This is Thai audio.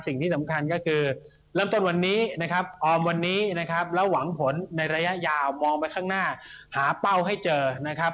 สิ่งที่สำคัญก็คือเริ่มต้นวันนี้นะครับออมวันนี้นะครับแล้วหวังผลในระยะยาวมองไปข้างหน้าหาเป้าให้เจอนะครับ